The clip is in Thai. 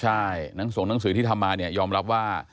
ใช่หนังส่งหนังสือที่ทำมาเนี่ยยอมรับว่า